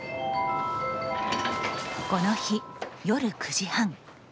この日夜９時半。